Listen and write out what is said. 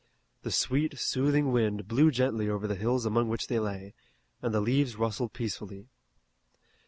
The sweet, soothing wind blew gently over the hills among which they lay, and the leaves rustled peacefully.